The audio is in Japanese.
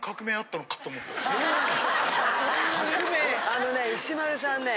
あのね石丸さんね